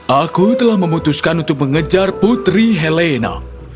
aku telah memutuskan untuk mengejar putri helena